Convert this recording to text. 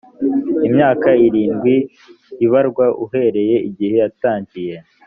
imyaka irindwi ibarwa uhereye igihe yatangiye